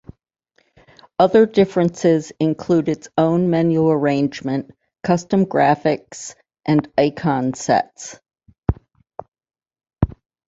Other differences include its own menu arrangement, custom graphics, and icon sets.